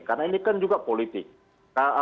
karena ini kan juga politik